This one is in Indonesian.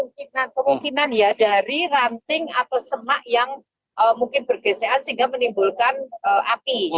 kemungkinan kemungkinan ya dari ranting atau semak yang mungkin bergesean sehingga menimbulkan api